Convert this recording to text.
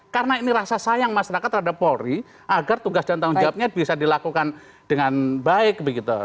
karena ini rasa sayang masyarakat terhadap polri agar tugas dan tanggung jawabnya bisa dilakukan dengan baik begitu